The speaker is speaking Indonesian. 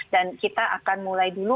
dan kita akan mulai dulu